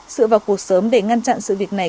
sự vào cuộc sớm để ngăn chặn sự việc này